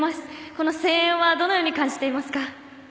この声援はどのように感じていますか？